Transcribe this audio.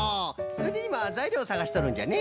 それでいまざいりょうをさがしとるんじゃね。